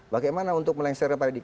bagaimana untuk melengsirkan pak edi